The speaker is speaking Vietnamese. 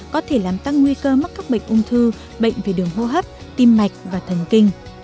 có thể làm tăng nguy cơ mắc các bệnh ung thư bệnh về đường hô hấp tim mạch và thần kinh